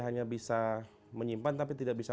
hanya bisa menyimpan tapi tidak bisa